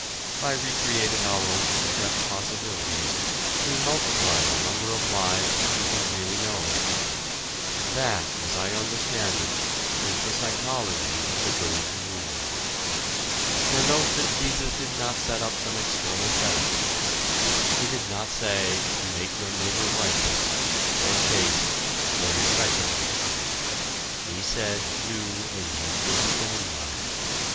By re creating our own suppressed possibilities we multiply the number of lives that we can really know. That as I understand it is the psychology of the Golden Rule. For note that Jesus did not set up some external fetich: he did not say, make your neighbor righteous, or chaste, or respectable. He said do as you would be done by.